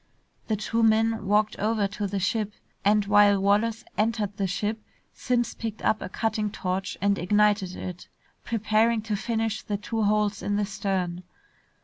The two men walked over to the ship, and while Wallace entered the ship, Simms picked up a cutting torch and ignited it, preparing to finish the two holes in the stern.